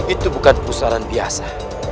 itu bukan pesterahan biasa